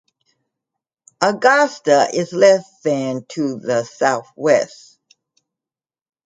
Augusta is less than to the southwest.